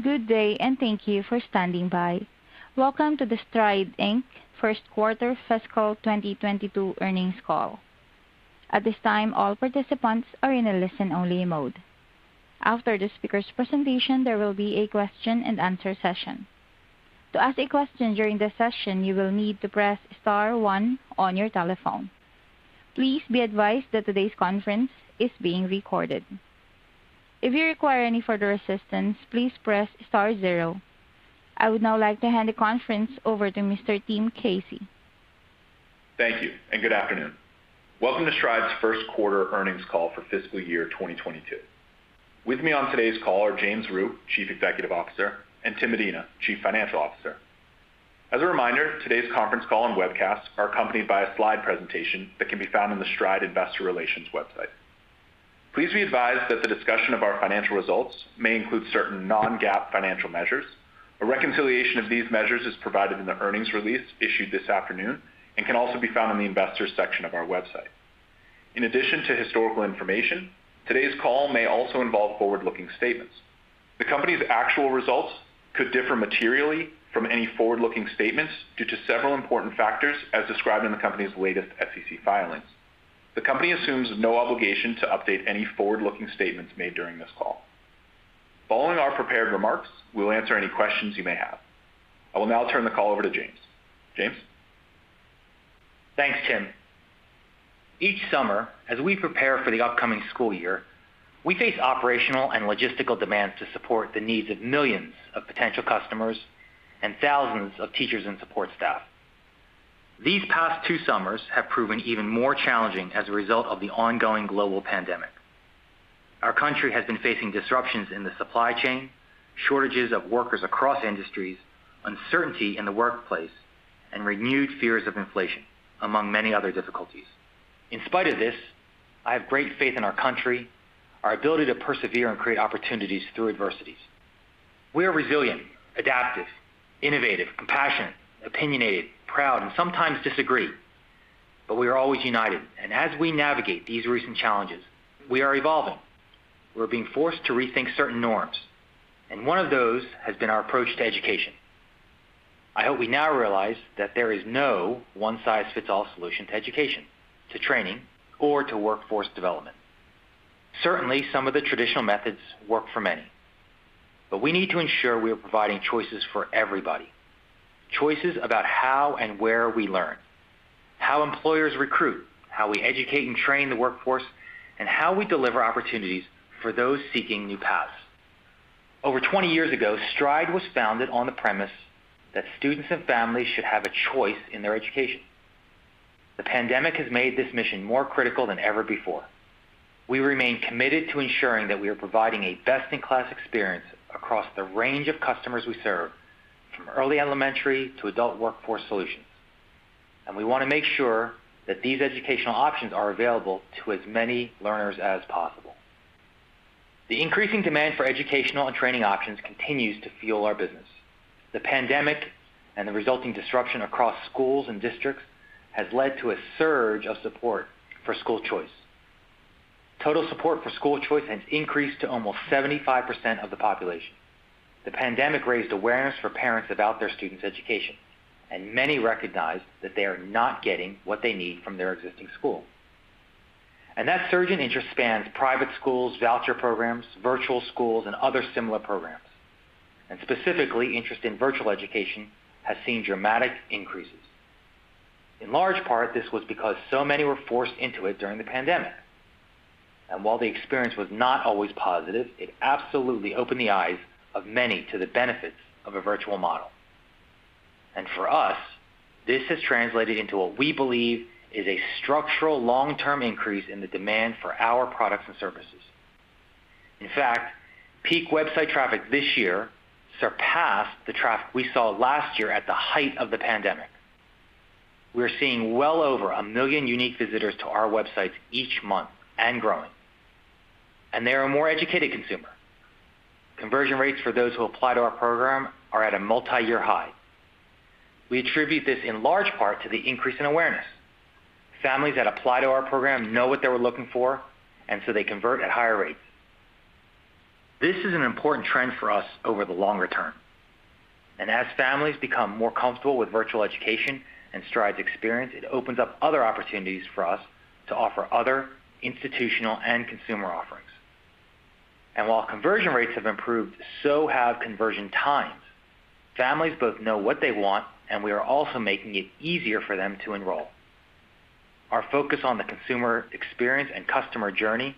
Good day, and thank you for standing by. Welcome to the Stride Inc. first quarter fiscal 2022 earnings call. At this time, all participants are in a listen-only mode. After the speaker's presentation, there will be a question and answer session. To ask a question during this session, you will need to press star one on your telephone. Please be advised that today's conference is being recorded. If you require any further assistance, please press star zero. I would now like to hand the conference over to Mr. Tim Casey. Thank you, and good afternoon. Welcome to Stride's first quarter earnings call for fiscal year 2022. With me on today's call are James Rhyu, Chief Executive Officer, and Timothy Medina, Chief Financial Officer. As a reminder, today's conference call and webcast are accompanied by a slide presentation that can be found on the Stride investor relations website. Please be advised that the discussion of our financial results may include certain non-GAAP financial measures. A reconciliation of these measures is provided in the earnings release issued this afternoon and can also be found in the investors section of our website. In addition to historical information, today's call may also involve forward-looking statements. The company's actual results could differ materially from any forward-looking statements due to several important factors as described in the company's latest SEC filings. The company assumes no obligation to update any forward-looking statements made during this call. Following our prepared remarks, we'll answer any questions you may have. I will now turn the call over to James. James? Thanks, Tim. Each summer, as we prepare for the upcoming school year, we face operational and logistical demands to support the needs of millions of potential customers and thousands of teachers and support staff. These past two summers have proven even more challenging as a result of the ongoing global pandemic. Our country has been facing disruptions in the supply chain, shortages of workers across industries, uncertainty in the workplace, and renewed fears of inflation, among many other difficulties. In spite of this, I have great faith in our country, our ability to persevere and create opportunities through adversities. We are resilient, adaptive, innovative, compassionate, opinionated, proud, and sometimes disagree. We are always united, and as we navigate these recent challenges, we are evolving. We're being forced to rethink certain norms, and one of those has been our approach to education. I hope we now realize that there is no one-size-fits-all solution to education, to training, or to workforce development. Certainly, some of the traditional methods work for many. We need to ensure we are providing choices for everybody. Choices about how and where we learn, how employers recruit, how we educate and train the workforce, and how we deliver opportunities for those seeking new paths. Over 20 years ago, Stride was founded on the premise that students and families should have a choice in their education. The pandemic has made this mission more critical than ever before. We remain committed to ensuring that we are providing a best-in-class experience across the range of customers we serve, from early elementary to adult workforce solutions. We want to make sure that these educational options are available to as many learners as possible. The increasing demand for educational and training options continues to fuel our business. The pandemic and the resulting disruption across schools and districts has led to a surge of support for school choice. Total support for school choice has increased to almost 75% of the population. The pandemic raised awareness for parents about their students' education, and many recognized that they are not getting what they need from their existing school. That surge in interest spans private schools, voucher programs, virtual schools, and other similar programs. Specifically, interest in virtual education has seen dramatic increases. In large part, this was because so many were forced into it during the pandemic. While the experience was not always positive, it absolutely opened the eyes of many to the benefits of a virtual model. For us, this has translated into what we believe is a structural long-term increase in the demand for our products and services. In fact, peak website traffic this year surpassed the traffic we saw last year at the height of the pandemic. We're seeing well over a million unique visitors to our websites each month and growing. They're a more educated consumer. Conversion rates for those who apply to our program are at a multi-year high. We attribute this in large part to the increase in awareness. Families that apply to our program know what they were looking for, and so they convert at higher rates. This is an important trend for us over the longer term. As families become more comfortable with virtual education and Stride's experience, it opens up other opportunities for us to offer other institutional and consumer offerings. While conversion rates have improved, so have conversion times. Families both know what they want, and we are also making it easier for them to enroll. Our focus on the consumer experience and customer journey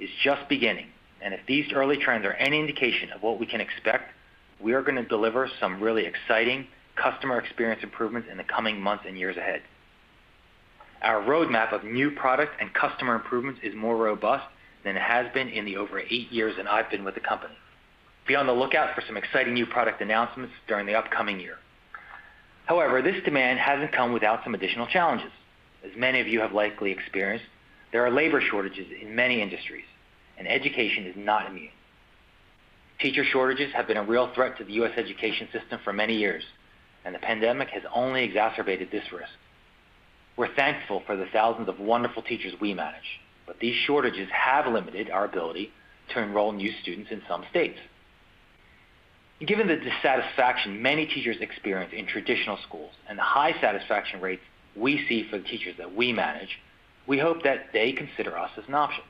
is just beginning, and if these early trends are any indication of what we can expect, we are going to deliver some really exciting customer experience improvements in the coming months and years ahead. Our roadmap of new product and customer improvements is more robust than it has been in the over eight years that I've been with the company. Be on the lookout for some exciting new product announcements during the upcoming year. This demand hasn't come without some additional challenges. As many of you have likely experienced, there are labor shortages in many industries, and education is not immune. Teacher shortages have been a real threat to the U.S. education system for many years, and the pandemic has only exacerbated this risk. We're thankful for the thousands of wonderful teachers we manage, but these shortages have limited our ability to enroll new students in some states. Given the dissatisfaction many teachers experience in traditional schools and the high satisfaction rates we see for the teachers that we manage, we hope that they consider us as an option.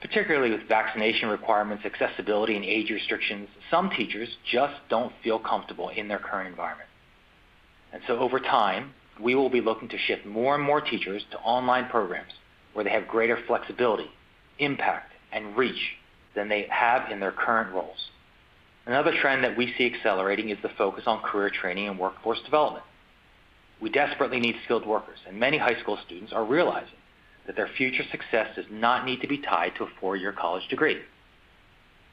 Particularly with vaccination requirements, accessibility, and age restrictions, some teachers just don't feel comfortable in their current environment. Over time, we will be looking to shift more and more teachers to online programs where they have greater flexibility, impact, and reach than they have in their current roles. Another trend that we see accelerating is the focus on career training and workforce development. We desperately need skilled workers, and many high school students are realizing that their future success does not need to be tied to a four-year college degree.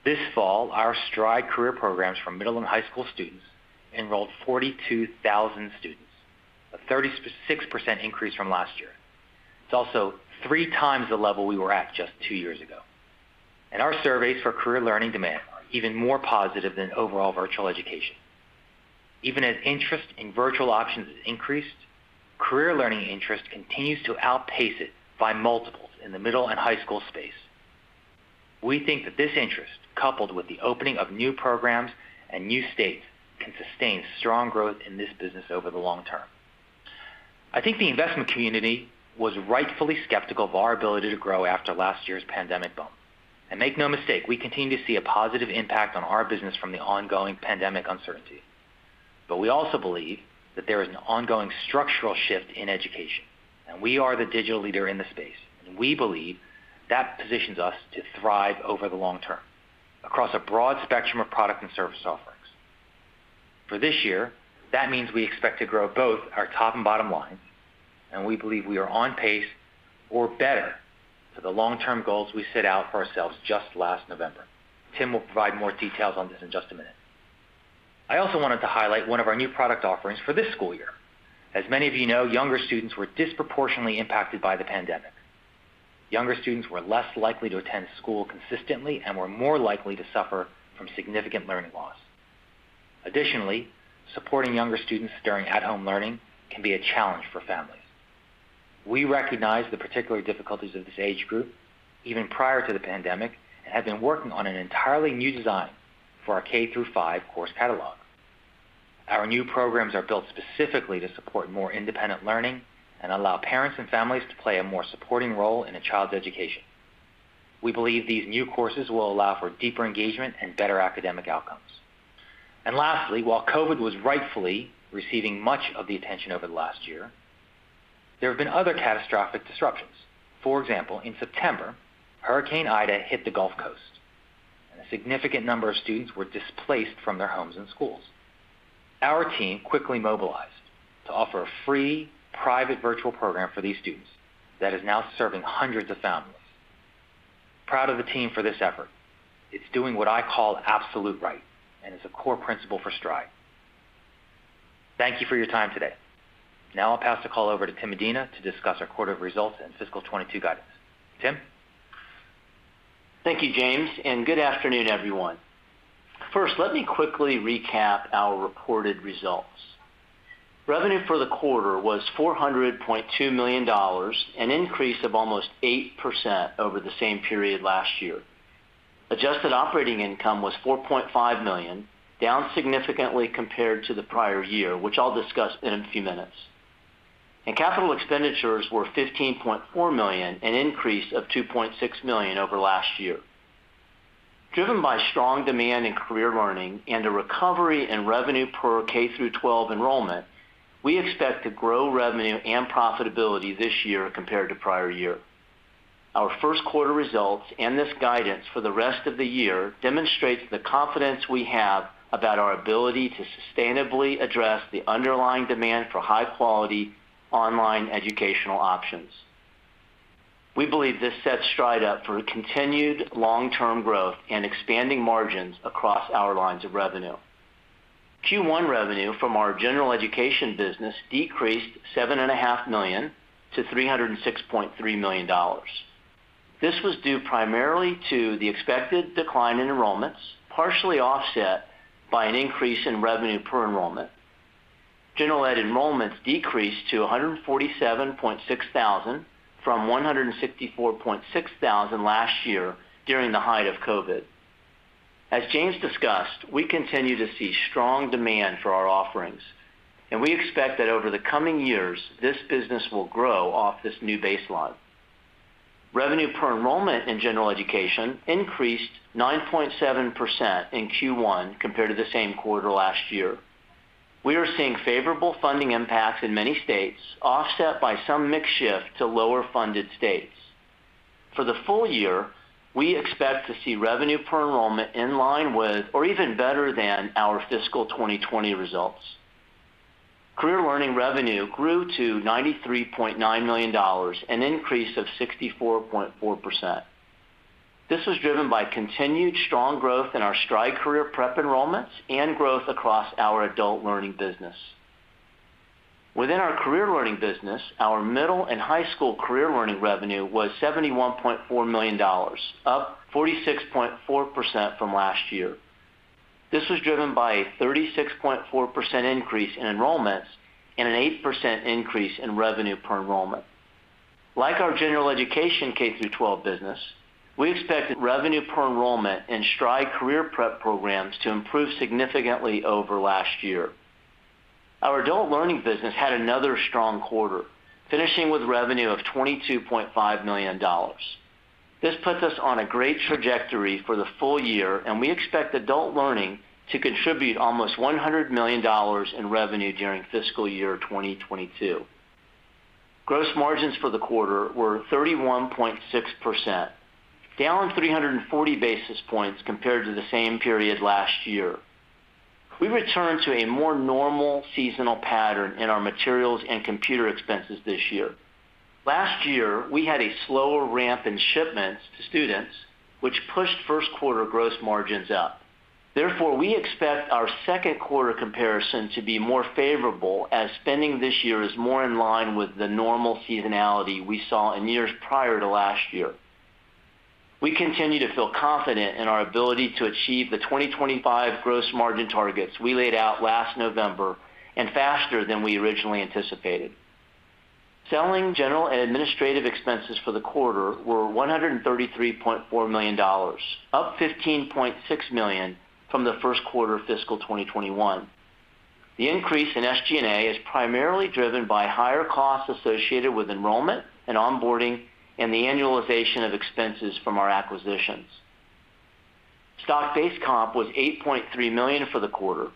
This fall, our Stride Career Programs for middle and high school students enrolled 42,000 students, a 36% increase from last year. It's also three times the level we were at just two years ago. Our surveys for Career Learning demand are even more positive than overall virtual education. Even as interest in virtual options has increased, Career Learning interest continues to outpace it by multiples in the middle and high school space. We think that this interest, coupled with the opening of new programs and new states, can sustain strong growth in this business over the long term. I think the investment community was rightfully skeptical of our ability to grow after last year's pandemic bump. Make no mistake, we continue to see a positive impact on our business from the ongoing pandemic uncertainty. We also believe that there is an ongoing structural shift in education, and we are the digital leader in the space. We believe that positions us to thrive over the long term across a broad spectrum of product and service offerings. For this year, that means we expect to grow both our top and bottom lines, and we believe we are on pace or better to the long-term goals we set out for ourselves just last November. Tim will provide more details on this in just a minute. I also wanted to highlight one of our new product offerings for this school year. As many of you know, younger students were disproportionately impacted by the pandemic. Younger students were less likely to attend school consistently and were more likely to suffer from significant learning loss. Additionally, supporting younger students during at-home learning can be a challenge for families. We recognize the particular difficulties of this age group, even prior to the pandemic, and have been working on an entirely new design for our K–5 course catalog. Our new programs are built specifically to support more independent learning and allow parents and families to play a more supporting role in a child's education. We believe these new courses will allow for deeper engagement and better academic outcomes. Lastly, while COVID was rightfully receiving much of the attention over the last year, there have been other catastrophic disruptions. For example, in September, Hurricane Ida hit the Gulf Coast, and a significant number of students were displaced from their homes and schools. Our team quickly mobilized to offer a free private virtual program for these students that is now serving hundreds of families. Proud of the team for this effort. It's doing what I call absolute right, and is a core principle for Stride. Thank you for your time today. I'll pass the call over to Tim Medina to discuss our quarter results and fiscal 2022 guidance. Tim? Thank you, James, and good afternoon, everyone. First, let me quickly recap our reported results. Revenue for the quarter was $400.2 million, an increase of almost 8% over the same period last year. Adjusted operating income was $4.5 million, down significantly compared to the prior year, which I'll discuss in a few minutes. Capital expenditures were $15.4 million, an increase of $2.6 million over last year. Driven by strong demand in Career Learning and a recovery in revenue per K–12 enrollment, we expect to grow revenue and profitability this year compared to prior year. Our first quarter results and this guidance for the rest of the year demonstrates the confidence we have about our ability to sustainably address the underlying demand for high-quality online educational options. We believe this sets Stride up for continued long-term growth and expanding margins across our lines of revenue. Q1 revenue from our General Education business decreased $7.5 million-$306.3 million. This was due primarily to the expected decline in enrollments, partially offset by an increase in revenue per enrollment. General Education enrollments decreased to 147,600 from 164,600 last year during the height of COVID. As James discussed, we continue to see strong demand for our offerings, and we expect that over the coming years, this business will grow off this new baseline. Revenue per enrollment in General Education increased 9.7% in Q1 compared to the same quarter last year. We are seeing favorable funding impacts in many states, offset by some mix shift to lower-funded states. For the full year, we expect to see revenue per enrollment in line with or even better than our fiscal 2020 results. Career Learning revenue grew to $93.9 million, an increase of 64.4%. This was driven by continued strong growth in our Stride Career Prep enrollments and growth across our Adult Learning business. Within our Career Learning business, our middle and high school Career Learning revenue was $71.4 million, up 46.4% from last year. This was driven by a 36.4% increase in enrollments and an 8% increase in revenue per enrollment. Like our General Education K–12 business, we expected revenue per enrollment in Stride Career Prep programs to improve significantly over last year. Our Adult Learning business had another strong quarter, finishing with revenue of $22.5 million. This puts us on a great trajectory for the full year, and we expect Adult Learning to contribute almost $100 million in revenue during fiscal year 2022. Gross margins for the quarter were 31.6%, down 340 basis points compared to the same period last year. We returned to a more normal seasonal pattern in our materials and computer expenses this year. Last year, we had a slower ramp in shipments to students, which pushed first quarter gross margins up. Therefore, we expect our second quarter comparison to be more favorable as spending this year is more in line with the normal seasonality we saw in years prior to last year. We continue to feel confident in our ability to achieve the 2025 gross margin targets we laid out last November and faster than we originally anticipated. Selling, General, and Administrative Expenses for the quarter were $133.4 million, up $15.6 million from the first quarter of fiscal 2021. The increase in SG&A is primarily driven by higher costs associated with enrollment and onboarding and the annualization of expenses from our acquisitions. Stock-based comp was $8.3 million for the quarter.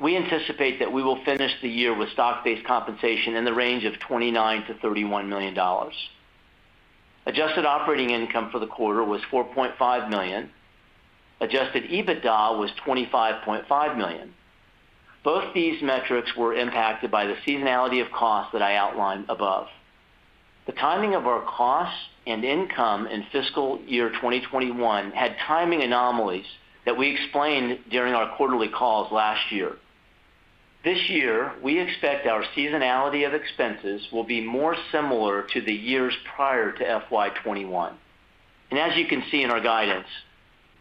We anticipate that we will finish the year with stock-based compensation in the range of $29 million-$31 million. Adjusted operating income for the quarter was $4.5 million. Adjusted EBITDA was $25.5 million. Both these metrics were impacted by the seasonality of costs that I outlined above. The timing of our costs and income in fiscal year 2021 had timing anomalies that we explained during our quarterly calls last year. This year, we expect our seasonality of expenses will be more similar to the years prior to FY 2021. As you can see in our guidance,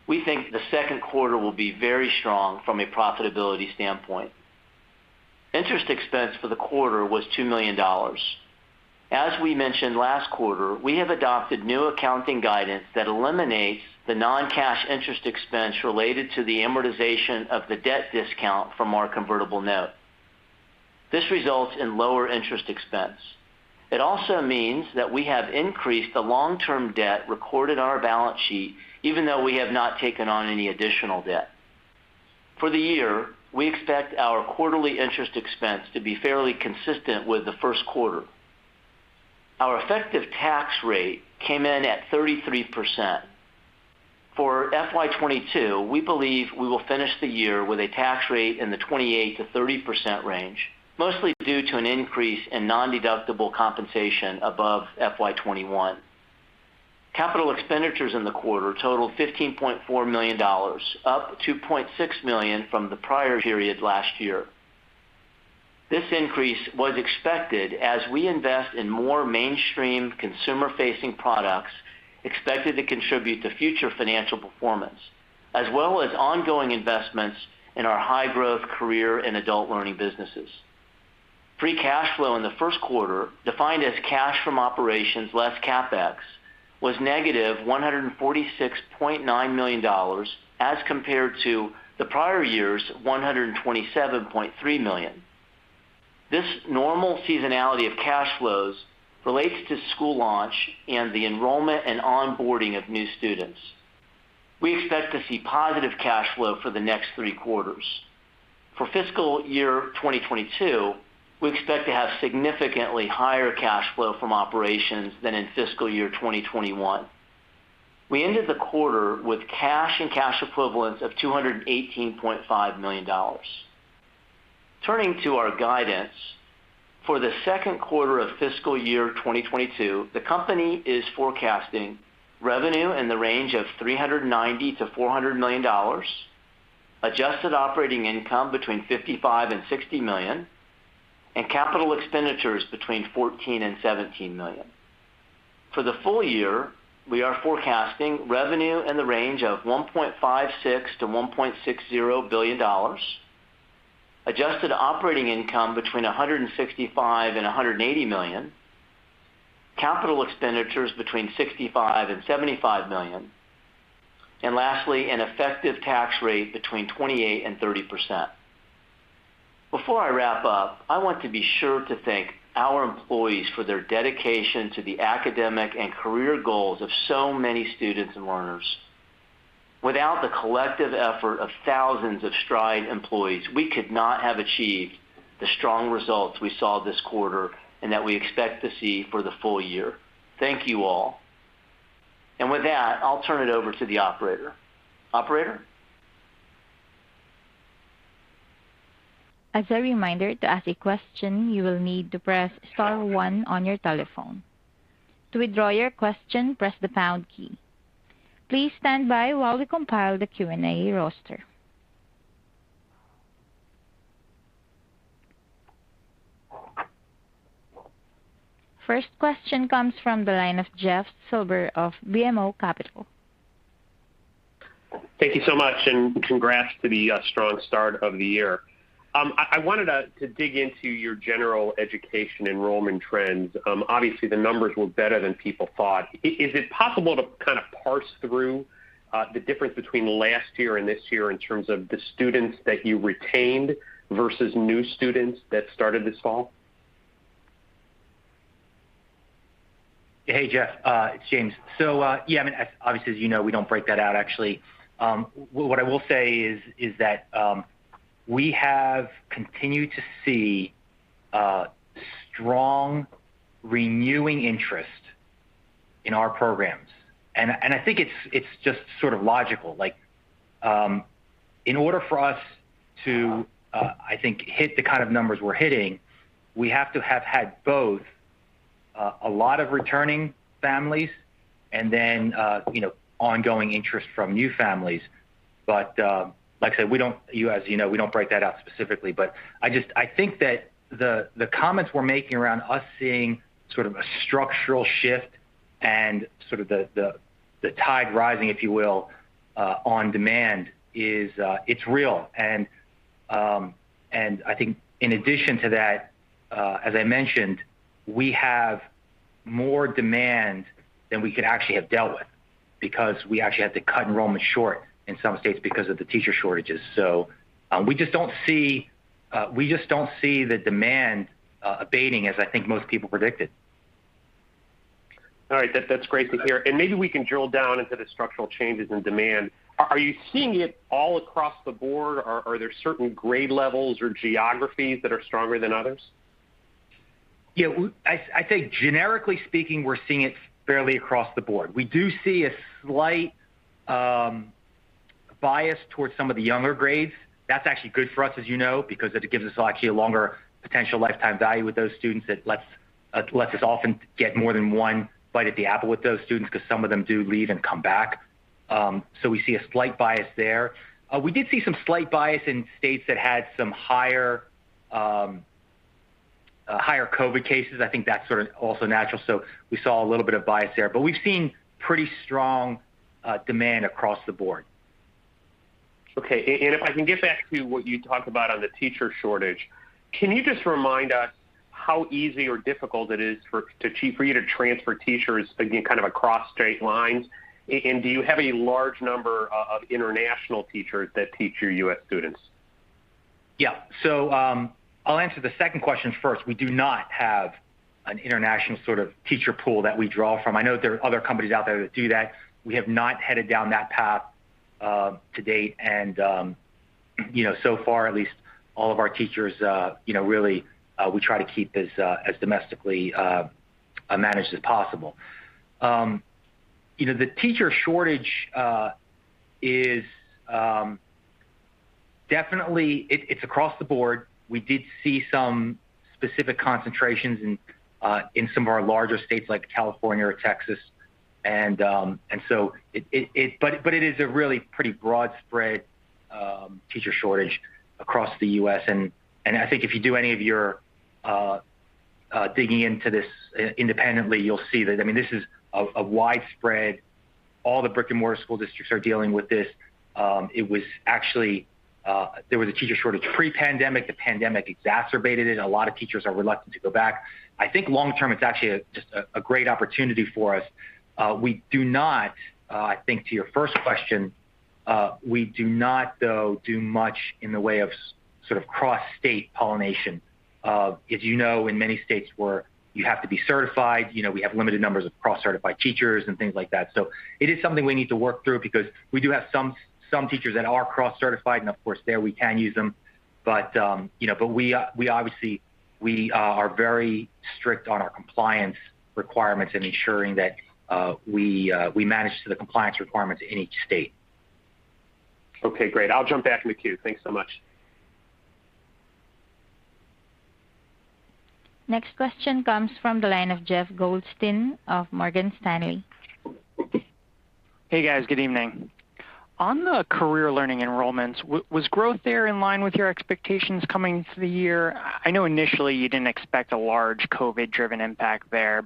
we think the second quarter will be very strong from a profitability standpoint. Interest expense for the quarter was $2 million. As we mentioned last quarter, we have adopted new accounting guidance that eliminates the non-cash interest expense related to the amortization of the debt discount from our convertible note. This results in lower interest expense. It also means that we have increased the long-term debt recorded on our balance sheet, even though we have not taken on any additional debt. For the year, we expect our quarterly interest expense to be fairly consistent with the first quarter. Our effective tax rate came in at 33%. For FY 2022, we believe we will finish the year with a tax rate in the 28%-30% range, mostly due to an increase in non-deductible compensation above FY 2021. Capital expenditures in the quarter totaled $15.4 million, up $2.6 million from the prior period last year. This increase was expected as we invest in more mainstream consumer-facing products expected to contribute to future financial performance, as well as ongoing investments in our high-growth Career Learning and Adult Learning businesses. Free cash flow in the first quarter, defined as cash from operations less CapEx, was negative $146.9 million as compared to the prior year's $127.3 million. This normal seasonality of cash flows relates to school launch and the enrollment and onboarding of new students. We expect to see positive cash flow for the next three quarters. For fiscal year 2022, we expect to have significantly higher cash flow from operations than in fiscal year 2021. We ended the quarter with cash and cash equivalents of $218.5 million. Turning to our guidance, for the second quarter of fiscal year 2022, the company is forecasting revenue in the range of $390 million-$400 million, adjusted operating income between $55 million and $60 million, and capital expenditures between $14 million and $17 million. For the full year, we are forecasting revenue in the range of $1.56 billion-$1.60 billion, adjusted operating income between $165 million and $180 million, capital expenditures between $65 million and $75 million, and lastly, an effective tax rate between 28% and 30%. Before I wrap up, I want to be sure to thank our employees for their dedication to the academic and career goals of so many students and learners. Without the collective effort of thousands of Stride employees, we could not have achieved the strong results we saw this quarter and that we expect to see for the full year. Thank you all. With that, I'll turn it over to the operator. Operator? As a reminder to ask a question you would need to press star one on your telephone. To withdraw your question, press the pound key. Please standby while we compile the Q&A roster. First question comes from the line of Jeff Silber of BMO Capital. Thank you so much, and congrats to the strong start of the year. I wanted to dig into your General Education enrollment trends. Obviously, the numbers were better than people thought. Is it possible to kind of parse through the difference between last year and this year in terms of the students that you retained versus new students that started this fall? Hey, Jeff. It's James. Yeah, obviously, as you know, we don't break that out, actually. What I will say is that we have continued to see strong renewing interest in our programs. I think it's just sort of logical. In order for us to, I think, hit the kind of numbers we're hitting, we have to have had both a lot of returning families and then ongoing interest from new families. Like I said, as you know, we don't break that out specifically. I think that the comments we're making around us seeing sort of a structural shift and sort of the tide rising, if you will, on demand, it's real. I think in addition to that, as I mentioned, we have more demand than we could actually have dealt with because we actually had to cut enrollment short in some states because of the teacher shortages. We just don't see the demand abating as I think most people predicted. All right. That's great to hear. Maybe we can drill down into the structural changes in demand. Are you seeing it all across the board, or are there certain grade levels or geographies that are stronger than others? I think generically speaking, we're seeing it fairly across the board. We do see a slight bias towards some of the younger grades. That's actually good for us, as you know, because it gives us actually a longer potential lifetime value with those students that lets us often get more than one bite at the apple with those students, because some of them do leave and come back. We see a slight bias there. We did see some slight bias in states that had some higher COVID cases. I think that's sort of also natural. We saw a little bit of bias there, but we've seen pretty strong demand across the board. Okay. If I can get back to what you talked about on the teacher shortage, can you just remind us how easy or difficult it is for you to transfer teachers, again, kind of across state lines? Do you have a large number of international teachers that teach your U.S. students? Yeah. I'll answer the second question first. We do not have an international sort of teacher pool that we draw from. I know there are other companies out there that do that. We have not headed down that path to date. So far, at least all of our teachers, really we try to keep as domestically managed as possible. The teacher shortage is definitely across the board. We did see some specific concentrations in some of our larger states like California or Texas. It is a really pretty broad spread teacher shortage across the U.S., and I think if you do any of your digging into this independently, you'll see that this is widespread. All the brick-and-mortar school districts are dealing with this. There was a teacher shortage pre-pandemic. The pandemic exacerbated it, and a lot of teachers are reluctant to go back. I think long-term, it's actually just a great opportunity for us. I think to your first question, we do not, though, do much in the way of sort of cross-state pollination. As you know, in many states where you have to be certified, we have limited numbers of cross-certified teachers and things like that. It is something we need to work through because we do have some teachers that are cross-certified, and of course, there we can use them. Obviously, we are very strict on our compliance requirements and ensuring that we manage to the compliance requirements in each state. Okay, great. I'll jump back in the queue. Thanks so much. Next question comes from the line of Jeff Goldstein of Morgan Stanley. Hey, guys. Good evening. On the Career Learning enrollments, was growth there in line with your expectations coming into the year? I know initially you didn't expect a large COVID-driven impact there,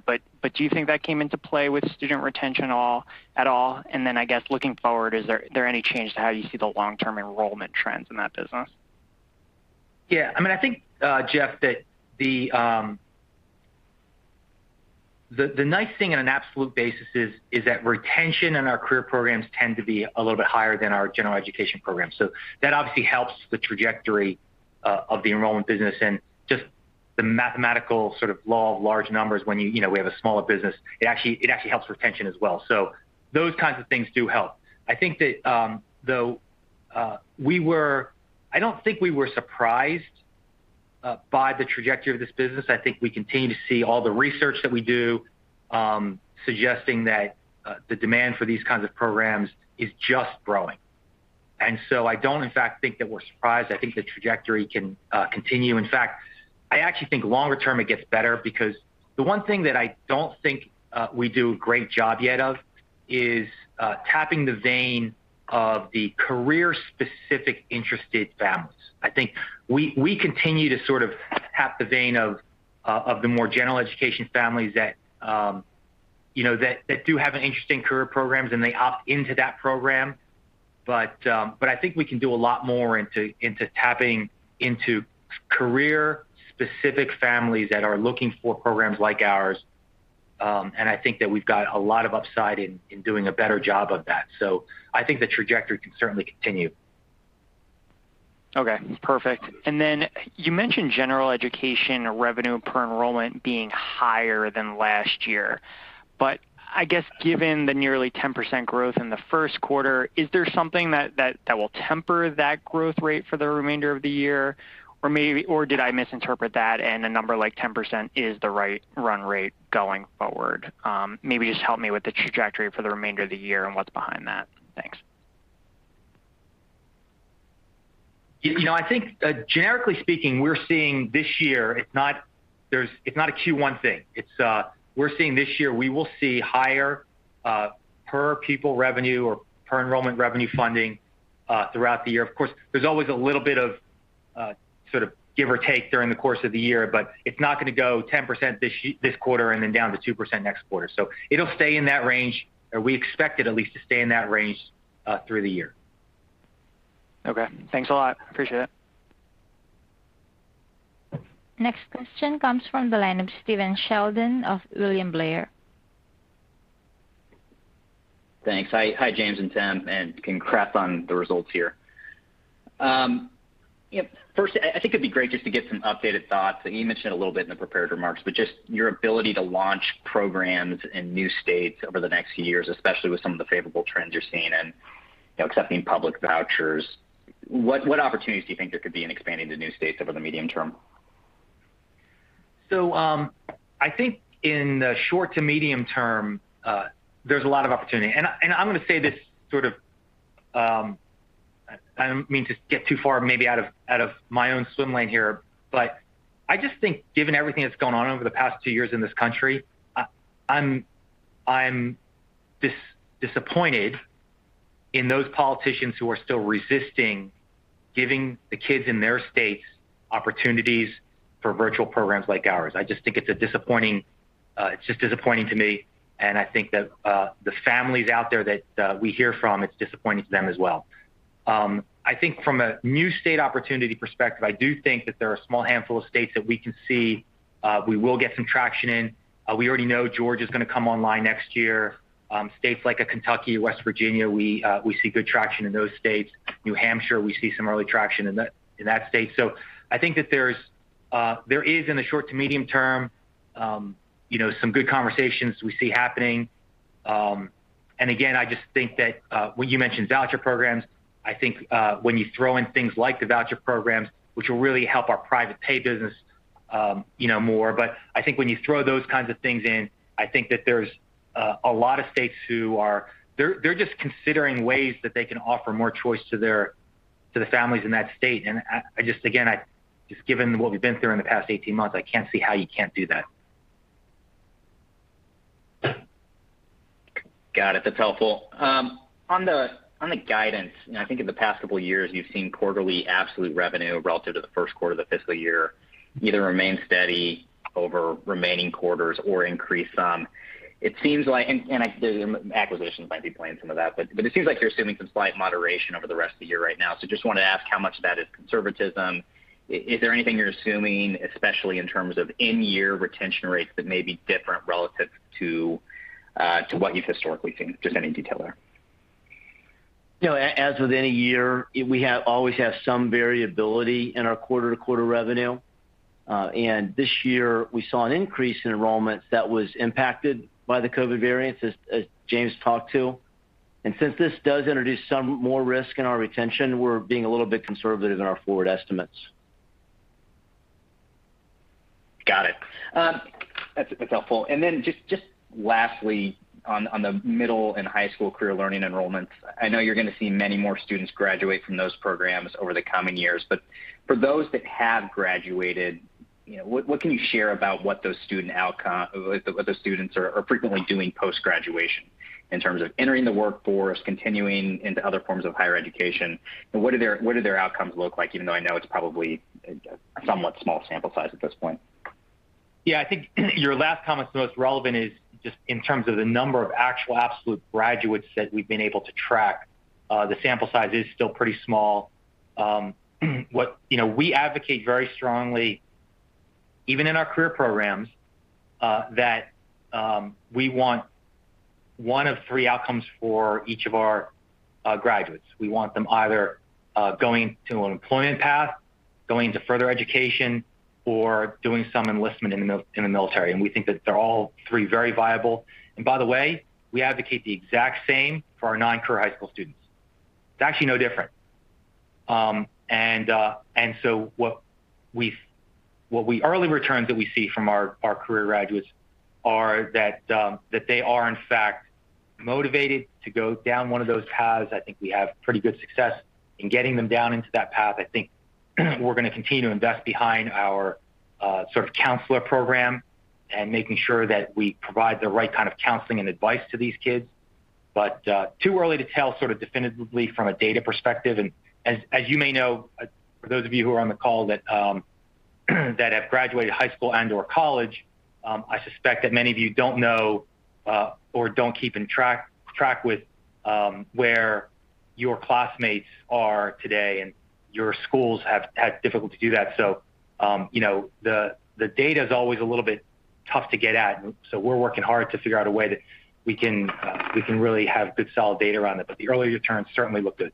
do you think that came into play with student retention at all? I guess looking forward, is there any change to how you see the long-term enrollment trends in that business? I think, Jeff, that the nice thing on an absolute basis is that retention in our Career Learning programs tend to be a little bit higher than our General Education programs. That obviously helps the trajectory of the enrollment business and just the mathematical sort of law of large numbers when we have a smaller business. It actually helps retention as well. Those kinds of things do help. I don't think we were surprised by the trajectory of this business. I think we continue to see all the research that we do suggesting that the demand for these kinds of programs is just growing. I don't, in fact, think that we're surprised. I think the trajectory can continue. I actually think longer term it gets better because the one thing that I don't think we do a great job yet of is tapping the vein of the Career-specific interested families. I think we continue to sort of tap the vein of the more General Education families that do have an interest in Career programs, and they opt into that program. I think we can do a lot more into tapping into Career-specific families that are looking for programs like ours. I think that we've got a lot of upside in doing a better job of that. I think the trajectory can certainly continue. Okay, perfect. Then you mentioned General Education revenue per enrollment being higher than last year. I guess given the nearly 10% growth in the first quarter, is there something that will temper that growth rate for the remainder of the year? Did I misinterpret that, and a number like 10% is the right run rate going forward? Maybe just help me with the trajectory for the remainder of the year and what's behind that. Thanks. I think generically speaking, we're seeing this year, it's not a Q1 thing. We're seeing this year, we will see higher per pupil revenue or per enrollment revenue funding throughout the year. Of course, there's always a little bit of sort of give or take during the course of the year, but it's not going to go 10% this quarter and then down to 2% next quarter. It'll stay in that range, or we expect it at least to stay in that range through the year. Okay. Thanks a lot. Appreciate it. Next question comes from the line of Stephen Sheldon of William Blair. Thanks. Hi, James and Tim, and congrats on the results here. First, I think it'd be great just to get some updated thoughts, and you mentioned a little bit in the prepared remarks, but just your ability to launch programs in new states over the next few years, especially with some of the favorable trends you're seeing and accepting public vouchers. What opportunities do you think there could be in expanding to new states over the medium term? I think in the short to medium term, there's a lot of opportunity. I'm going to say this. I don't mean to get too far maybe out of my own swim lane here, but I just think given everything that's gone on over the past two years in this country, I'm disappointed in those politicians who are still resisting giving the kids in their states opportunities for virtual programs like ours. I just think it's disappointing to me, and I think that the families out there that we hear from, it's disappointing to them as well. I think from a new state opportunity perspective, I do think that there are a small handful of states that we can see we will get some traction in. We already know Georgia's going to come online next year. States like Kentucky, West Virginia, we see good traction in those states. New Hampshire, we see some early traction in that state. I think that there is in the short to medium term some good conversations we see happening. Again, I just think that when you mentioned voucher programs, I think when you throw in things like the voucher programs, which will really help our private pay business more. I think when you throw those kinds of things in, I think that there's a lot of states who are just considering ways that they can offer more choice to the families in that state. Just again, just given what we've been through in the past 18 months, I can't see how you can't do that. Got it. That's helpful. On the guidance, I think in the past couple years, you've seen quarterly absolute revenue relative to the first quarter of the fiscal year either remain steady over remaining quarters or increase some. Acquisitions might be playing some of that, but it seems like you're assuming some slight moderation over the rest of the year right now. Just wanted to ask how much of that is conservatism. Is there anything you're assuming, especially in terms of in-year retention rates that may be different relative to what you've historically seen? Just any detail there. As with any year, we always have some variability in our quarter-to-quarter revenue. This year, we saw an increase in enrollments that was impacted by the COVID variants, as James talked to. Since this does introduce some more risk in our retention, we're being a little bit conservative in our forward estimates. Got it. That's helpful. Then just lastly, on the middle and high school Career Learning enrollments, I know you're going to see many more students graduate from those programs over the coming years. For those that have graduated, what can you share about what those students are frequently doing post-graduation in terms of entering the workforce, continuing into other forms of higher education? What do their outcomes look like, even though I know it's probably a somewhat small sample size at this point? Yeah, I think your last comment's the most relevant is just in terms of the number of actual absolute graduates that we've been able to track. The sample size is still pretty small. We advocate very strongly, even in our career programs, that we want one of three outcomes for each of our graduates. We want them either going to an employment path, going to further education, or doing some enlistment in the military. We think that they're all three very viable. By the way, we advocate the exact same for our non-career high school students. It's actually no different. Early returns that we see from our career graduates are that they are, in fact, motivated to go down one of those paths. I think we have pretty good success in getting them down into that path. We're going to continue to invest behind our counselor program and making sure that we provide the right kind of counseling and advice to these kids. Too early to tell definitively from a data perspective. As you may know, for those of you who are on the call that have graduated high school and/or college, I suspect that many of you don't know or don't keep in track with where your classmates are today. Your schools have had difficulty to do that. The data's always a little bit tough to get at, so we're working hard to figure out a way that we can really have good solid data around it. The early returns certainly look good.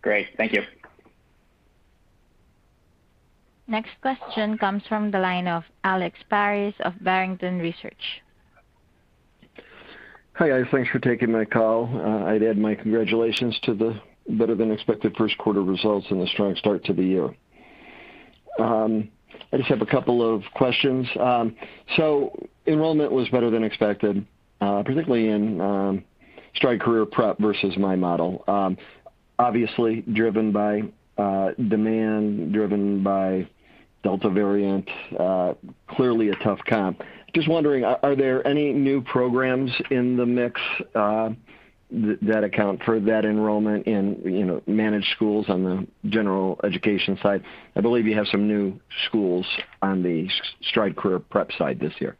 Great. Thank you. Next question comes from the line of Alex Paris of Barrington Research. Hi, guys. Thanks for taking my call. I'd add my congratulations to the better-than-expected first quarter results and the strong start to the year. I just have a couple of questions. Enrollment was better than expected, particularly in Stride Career Prep versus my model. Obviously driven by demand, driven by Delta variant. Clearly a tough comp. Just wondering, are there any new programs in the mix that account for that enrollment in managed schools on the General Education side? I believe you have some new schools on the Stride Career Prep side this year.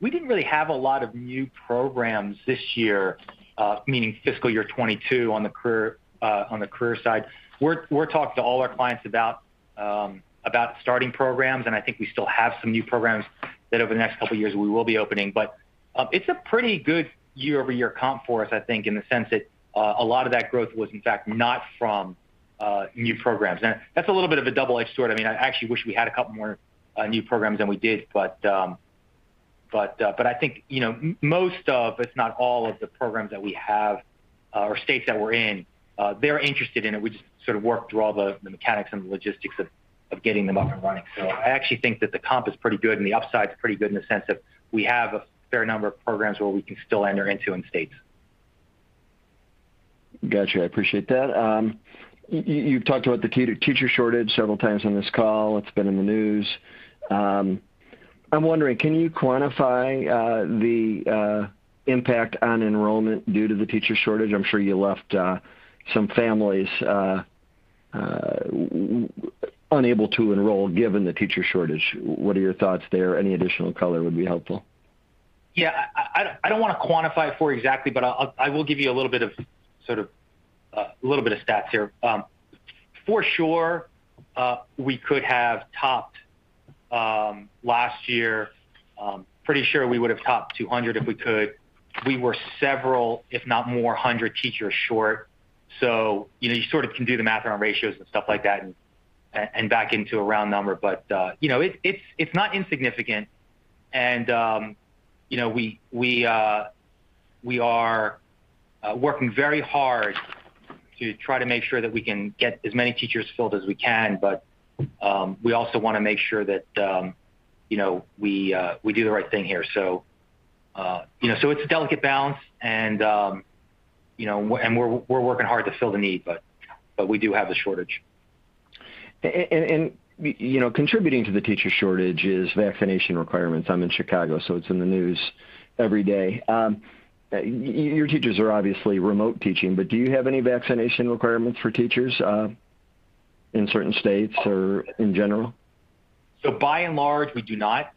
We didn't really have a lot of new programs this year, meaning fiscal year 2022 on the career side. We're talking to all our clients about starting programs, I think we still have some new programs that over the next couple of years we will be opening. It's a pretty good year-over-year comp for us, I think, in the sense that a lot of that growth was, in fact, not from new programs. That's a little bit of a double-edged sword. I actually wish we had a couple more new programs than we did, but I think most of, if not all of the programs that we have or states that we're in, they're interested in it. We just sort of worked through all the mechanics and the logistics of getting them up and running. I actually think that the comp is pretty good and the upside's pretty good in the sense that we have a fair number of programs where we can still enter into in states. Got you. I appreciate that. You've talked about the teacher shortage several times on this call. It's been in the news. I'm wondering, can you quantify the impact on enrollment due to the teacher shortage? I'm sure you left some families unable to enroll given the teacher shortage. What are your thoughts there? Any additional color would be helpful. Yeah. I don't want to quantify it for you exactly, but I will give you a little bit of stats here. For sure we could have topped last year. Pretty sure we would've topped 200 if we could. We were several, if not more, 100 teachers short. You sort of can do the math around ratios and stuff like that and back into a round number. It's not insignificant, and we are working very hard to try to make sure that we can get as many teachers filled as we can. We also want to make sure that we do the right thing here. It's a delicate balance, and we're working hard to fill the need, but we do have the shortage. Contributing to the teacher shortage is vaccination requirements. I'm in Chicago, it's in the news every day. Your teachers are obviously remote teaching, do you have any vaccination requirements for teachers in certain states or in general? By and large, we do not.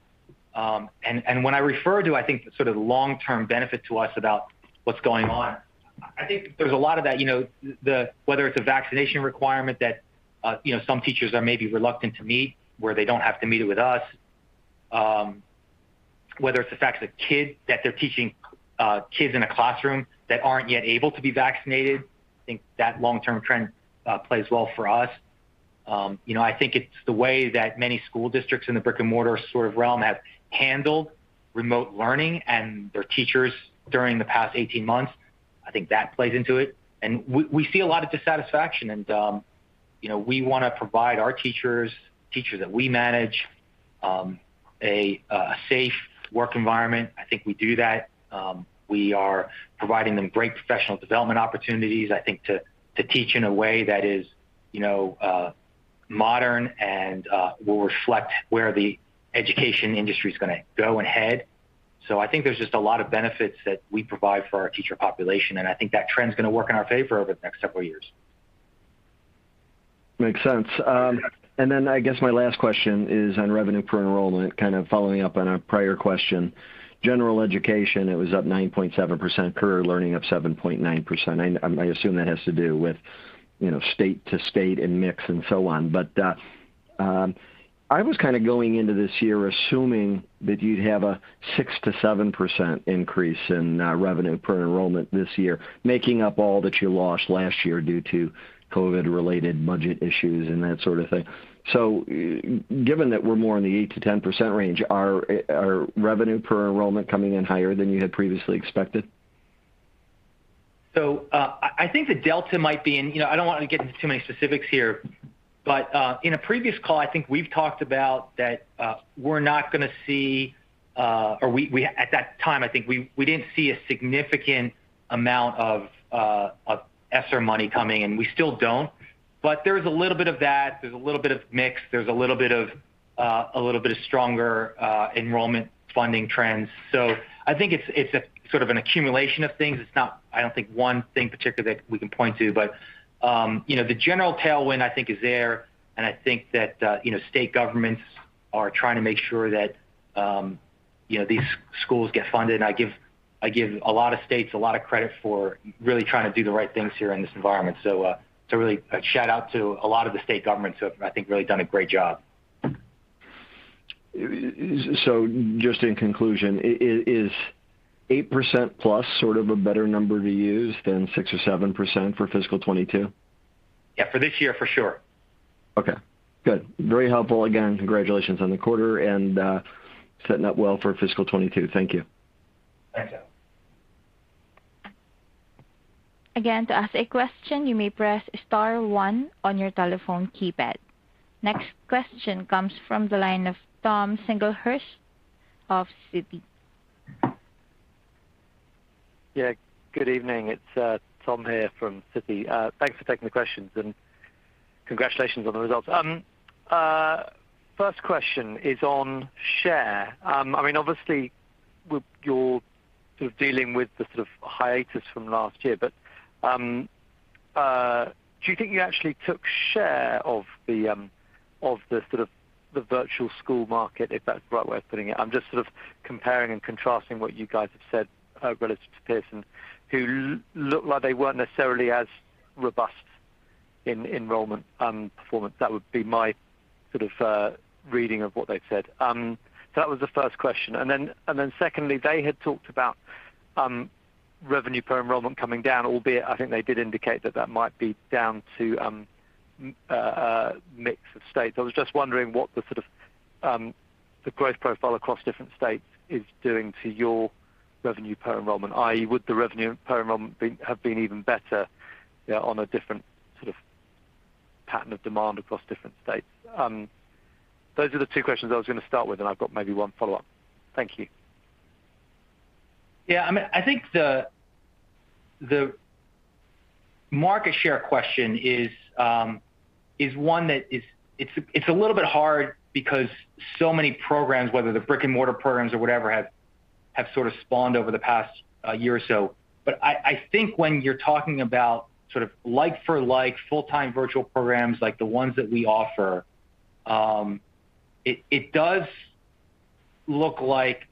When I refer to, I think, the long-term benefit to us about what's going on, I think there's a lot of that. Whether it's a vaccination requirement that some teachers are maybe reluctant to meet, where they don't have to meet it with us. Whether it's the fact that they're teaching kids in a classroom that aren't yet able to be vaccinated. I think that long-term trend plays well for us. I think it's the way that many school districts in the brick-and-mortar realm have handled remote learning and their teachers during the past 18 months. I think that plays into it. We see a lot of dissatisfaction and we want to provide our teachers that we manage, a safe work environment. I think we do that. We are providing them great professional development opportunities, I think, to teach in a way that is modern and will reflect where the education industry's going to go and head. I think there's just a lot of benefits that we provide for our teacher population, and I think that trend's going to work in our favor over the next several years. Makes sense. Then I guess my last question is on revenue per enrollment, kind of following up on a prior question. General Education, it was up 9.7%, Career Learning up 7.9%. I assume that has to do with state-to-state and mix and so on. I was kind of going into this year assuming that you'd have a 6%-7% increase in revenue per enrollment this year, making up all that you lost last year due to COVID-related budget issues and that sort of thing. Given that we're more in the 8%-10% range, are revenue per enrollment coming in higher than you had previously expected? I think the delta might be, and I don't want to get into too many specifics here. In a previous call, I think we've talked about that we're not going to see. At that time, I think we didn't see a significant amount of ESSER money coming, and we still don't. There is a little bit of that. There's a little bit of mix. There's a little bit of stronger enrollment funding trends. I think it's an accumulation of things. It's not, I don't think, one thing particular that we can point to, but the general tailwind I think is there, and I think that state governments are trying to make sure that these schools get funded. I give a lot of states a lot of credit for really trying to do the right things here in this environment. Really a shout-out to a lot of the state governments who have, I think, really done a great job. Just in conclusion, is 8%+ a better number to use than 6% or 7% for fiscal 2022? Yeah, for this year, for sure. Okay, good. Very helpful. Again, congratulations on the quarter and setting up well for FY 2022. Thank you. Thank you. Again, to ask a question, you may press star one on your telephone keypad. Next question comes from the line of Tom Singlehurst of Citi. Yeah, good evening. It's Tom here from Citi. Thanks for taking the questions, and congratulations on the results. First question is on share. Obviously, you're dealing with the hiatus from last year, but do you think you actually took share of the virtual school market, if that's the right way of putting it? I'm just comparing and contrasting what you guys have said relative to Pearson, who looked like they weren't necessarily as robust in enrollment performance. That would be my reading of what they've said. That was the first question. Secondly, they had talked about revenue per enrollment coming down, albeit I think they did indicate that that might be down to a mix of states. I was just wondering what the growth profile across different states is doing to your revenue per enrollment, i.e., would the revenue per enrollment have been even better on a different pattern of demand across different states? Those are the two questions I was going to start with. I've got maybe one follow-up. Thank you. Yeah. I think the market share question is one that is a little bit hard because so many programs, whether they're brick-and-mortar programs or whatever, have spawned over the past year or so. I think when you're talking about like-for-like full-time virtual programs like the ones that we offer, it does look like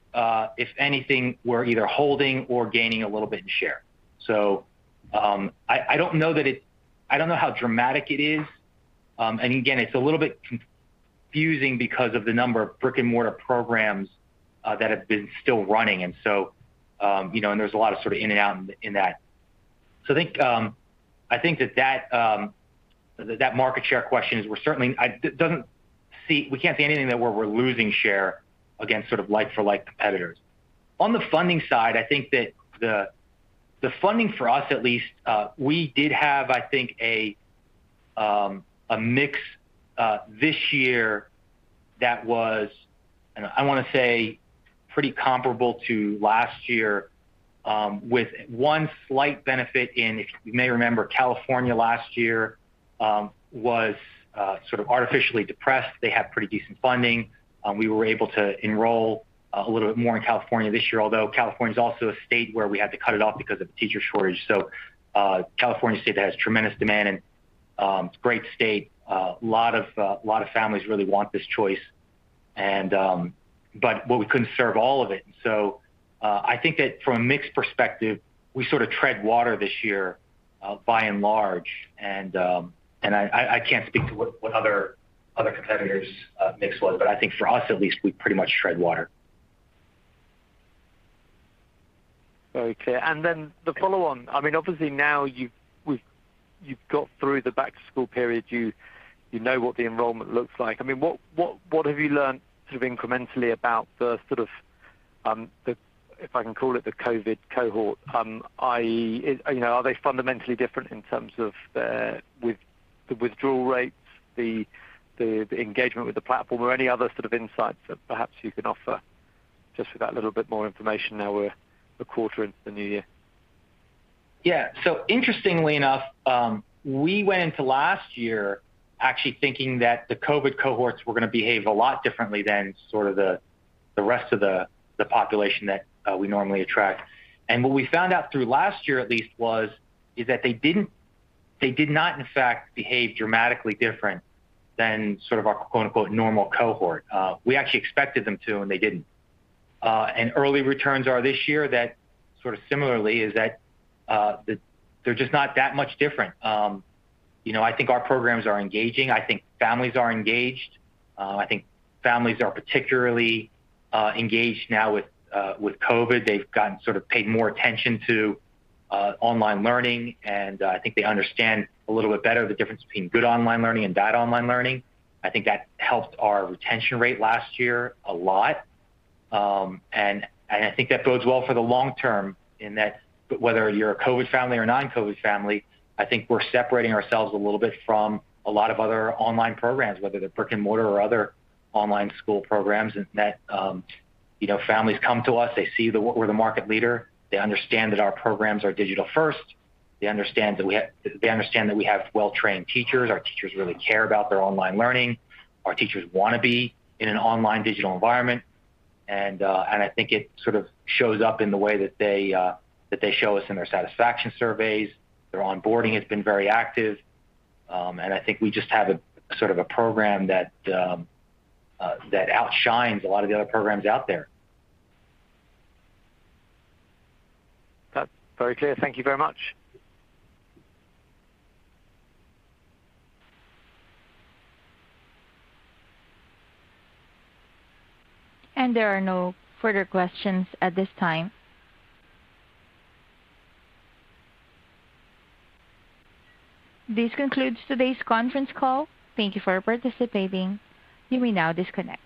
if anything, we're either holding or gaining a little bit in share. I don't know how dramatic it is. Again, it's a little bit confusing because of the number of brick-and-mortar programs that have been still running. There's a lot of in and out in that. I think that market share question is we can't see anything that we're losing share against like-for-like competitors. On the funding side, I think that the funding for us at least, we did have, I think, a mix this year that was, I want to say, pretty comparable to last year with one slight benefit in, if you may remember, California last year was artificially depressed. They have pretty decent funding. We were able to enroll a little bit more in California this year, although California's also a state where we had to cut it off because of teacher shortage. California is a state that has tremendous demand, and it's a great state. A lot of families really want this choice, but we couldn't serve all of it. I think that from a mix perspective, we tread water this year by and large. I can't speak to what other competitors' mix was. I think for us at least, we pretty much tread water. Very clear. The follow-on. Obviously, now you've got through the back-to-school period. You know what the enrollment looks like. What have you learned incrementally about the, if I can call it the COVID cohort? Are they fundamentally different in terms of the withdrawal rates, the engagement with the platform, or any other insights that perhaps you can offer just for that little bit more information now we're a quarter into the new year? Yeah. Interestingly enough, we went into last year actually thinking that the COVID cohorts were going to behave a lot differently than the rest of the population that we normally attract. What we found out through last year at least was, is that they did not, in fact, behave dramatically different than our "normal cohort." We actually expected them to, and they didn't. Early returns are this year that similarly is that they're just not that much different. I think our programs are engaging. I think families are engaged. I think families are particularly engaged now with COVID. They've paid more attention to online learning, and I think they understand a little bit better the difference between good online learning and bad online learning. I think that helped our retention rate last year a lot. I think that bodes well for the long term in that whether you're a COVID family or non-COVID family, I think we're separating ourselves a little bit from a lot of other online programs, whether they're brick-and-mortar or other online school programs, in that families come to us. They see that we're the market leader. They understand that our programs are digital first. They understand that we have well-trained teachers. Our teachers really care about their online learning. Our teachers want to be in an online digital environment. I think it shows up in the way that they show us in their satisfaction surveys. Their onboarding has been very active. I think we just have a program that outshines a lot of the other programs out there. That's very clear. Thank you very much. There are no further questions at this time. This concludes today's conference call. Thank you for participating. You may now disconnect.